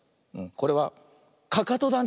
これはかかとだね。